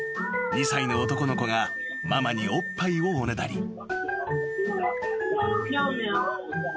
［２歳の男の子がママにおっぱいをおねだり］